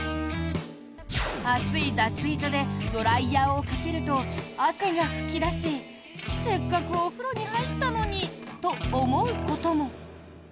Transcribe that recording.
暑い脱衣所でドライヤーをかけると汗が噴き出し、せっかくお風呂に入ったのにと思うことも。